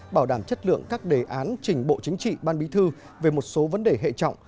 bảo đảm chất lượng các đề án trình bộ chính trị ban bí thư về một số vấn đề hệ trọng